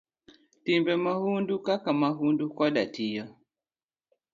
Timbe mahundu kaka mahundu koda tiyo